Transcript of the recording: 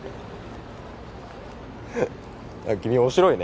君面白いね